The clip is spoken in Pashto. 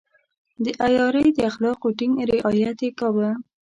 د عیارۍ د اخلاقو ټینګ رعایت يې کاوه.